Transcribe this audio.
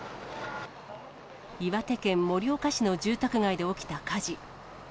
岩手県盛岡市の住宅街で起きた火事。